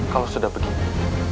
kalau sudah begini